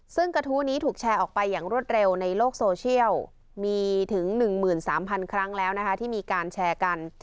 ซึ่งกระทู้นี้ถูกแชร์ออกไปอย่างรวดเร็วในโลกโซเชียลมีถึง๑๓๐๐ครั้งแล้วนะคะที่มีการแชร์กัน